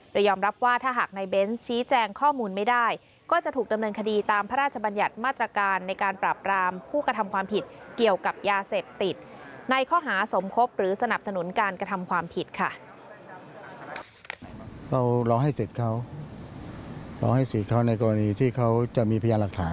โดยยอมรับว่าถ้าหากในเบนส์ชี้แจงข้อมูลไม่ได้ก็จะถูกดำเนินคดีตามพระราชบัญญัติมาตรการในการปราบรามผู้กระทำความผิดเกี่ยวกับยาเสพติดในข้อหาสมคบหรือสนับสนุนการกระทำความผิดค่ะ